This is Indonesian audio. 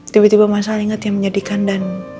tiba tiba mas hal inget yang menyedihkan dan